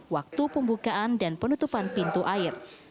waktu pembukaan dan penutupan pintu air